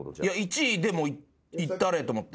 １位でもいったれと思って。